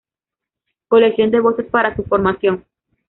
Colección de voces para su formación.